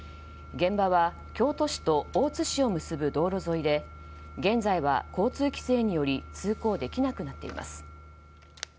現場は京都市と大津市を結ぶ道路沿いで現在は交通規制により通行できなくなっています。